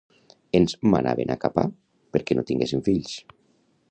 Ens manaven a capar perquè no tinguéssim fills